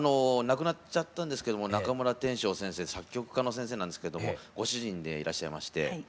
亡くなっちゃったんですけども中村典正先生作曲家の先生なんですけどもご主人でいらっしゃいまして。